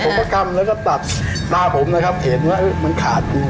ผมก็กำแล้วก็ตัดตาผมนะครับเห็นว่ามันขาดอยู่